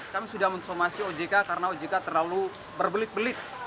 kami sudah mensomasi ojk karena ojk terlalu berbelit belit